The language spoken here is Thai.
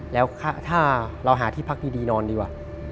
แล้วถ้าเราหาที่พักดีนอนดีกว่า